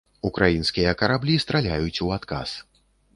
Украінскія караблі страляюць у адказ.